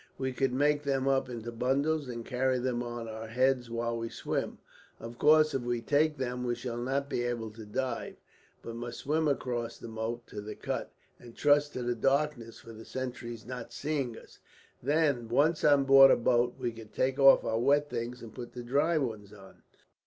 We could make them up into bundles, and carry them on our heads while we swim. Of course, if we take them we shall not be able to dive; but must swim across the moat to the cut, and trust to the darkness for the sentries not seeing us. Then, once on board a boat, we could take off our wet things and put the dry ones on."